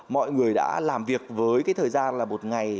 mọi người đã làm việc với cái thời gian là một ngày